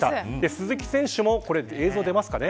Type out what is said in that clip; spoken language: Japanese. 鈴木選手も、映像、出ますかね。